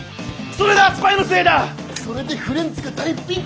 それでフレンズが大ピンチなんだよ！